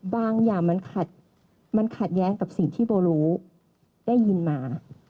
อย่างมันขัดแย้งกับสิ่งที่โบรู้ได้ยินมา